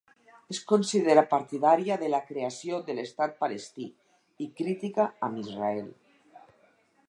Es considera partidària de la creació de l'estat palestí i crítica amb Israel.